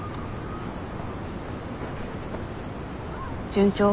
順調？